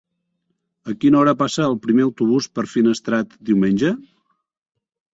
A quina hora passa el primer autobús per Finestrat diumenge?